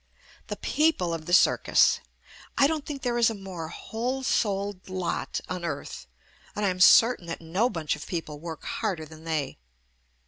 The people of the circus! I don't think there is a more wholesouled lot on earth, and I am certain that no bunch of people work harder than they.